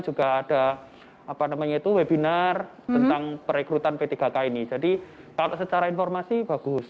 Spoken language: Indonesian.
juga ada webinar tentang perekrutan p tiga k ini jadi secara informasi bagus